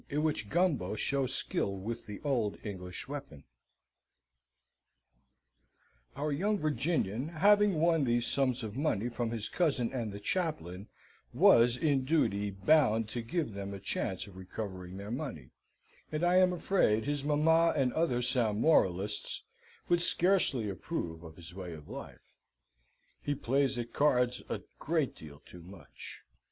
In which Gumbo shows Skill with the Old English Weapon Our young Virginian having won these sums of money from his cousin and the chaplain, was in duty bound to give them a chance of recovering their money, and I am afraid his mamma and other sound moralists would scarcely approve of his way of life. He plays at cards a great deal too much.